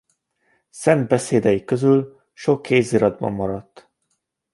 Szent beszédei közül sok kéziratban maradt.